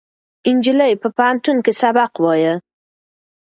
نجلۍ په پوهنتون کې سبق وایه.